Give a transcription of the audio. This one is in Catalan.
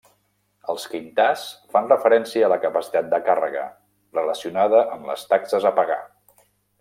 Els quintars fan referència a la capacitat de càrrega, relacionada amb les taxes a pagar.